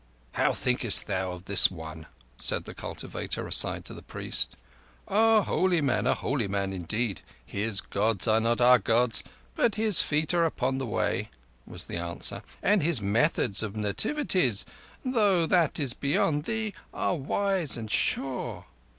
"How thinkest thou of this one?" said the cultivator aside to the priest. "A holy man—a holy man indeed. His Gods are not the Gods, but his feet are upon the Way," was the answer. "And his methods of nativities, though that is beyond thee, are wise and sure."